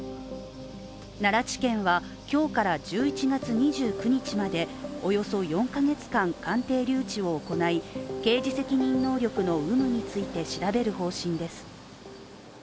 奈良地検は今日から１１月２９日までおよそ４カ月間鑑定留置を行い刑事責任能力の有無について調べる方針です。